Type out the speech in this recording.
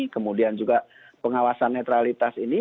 kemudian juga pengawasan netralitas ini